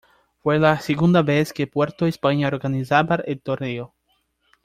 Fue la segunda vez que Puerto España organizaba el torneo.